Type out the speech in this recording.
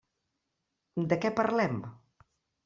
De què parlem?